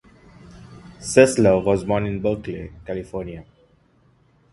Sessler was born in Berkeley, California.